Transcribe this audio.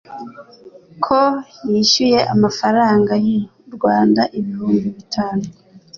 ko yishyuye amafaranga y'u Rwanda ibihumbi bitanu